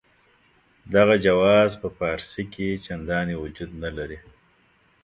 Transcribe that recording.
دغه جواز په فارسي کې چنداني وجود نه لري.